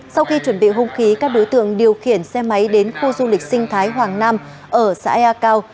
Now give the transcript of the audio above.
sau khi chuẩn bị hung khí các đối tượng điều khiển xe máy đến khu du lịch sinh thái hoàng nam ở xã ya cao